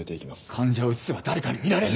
患者を移せば誰かに見られる。